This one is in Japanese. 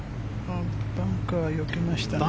バンカー、よけましたね。